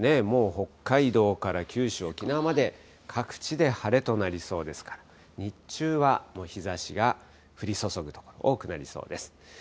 もう北海道から九州、沖縄まで、各地で晴れとなりそうですから、日中は日ざしが降り注ぐ所、多くなりそうです。